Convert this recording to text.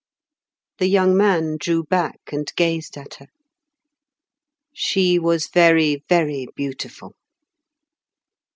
The young man drew back and gazed at her. She was very, very beautiful.